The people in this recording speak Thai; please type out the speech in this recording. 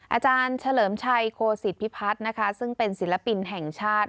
อาจารย์เฉลิมชัยโคสิตพิพัฒน์นะคะซึ่งเป็นศิลปินแห่งชาติ